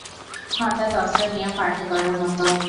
হঠাৎ অস্ত্র নিয়ে পার্টি করার মত।